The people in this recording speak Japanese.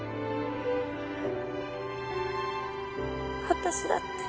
私だって。